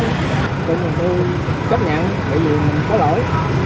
mình cũng chấp nhận vì mình có lỗi